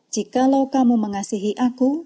jikalau kamu mengasihi aku